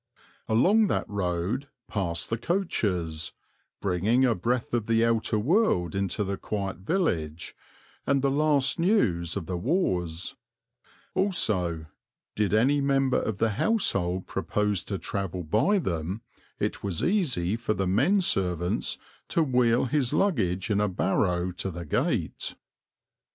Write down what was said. Along that road passed the coaches, bringing a breath of the outer world into the quiet village, and the last news of the wars; also, did any member of the household propose to travel by them, it was easy for the men servants to wheel his luggage in a barrow to the gate."